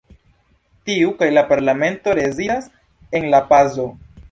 Tiu kaj la parlamento rezidas en La-Pazo.